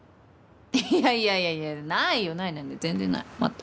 いやいやいやないよないないない全然ない全く。